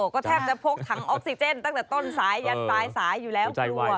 ก็แทบจะพกถังออกซิเจนตั้งแต่ต้นสายยันปลายสายอยู่แล้วกลัว